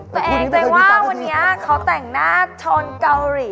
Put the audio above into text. ตัวเองแสดงว่าวันนี้เขาแต่งหน้าชอนเกาหลี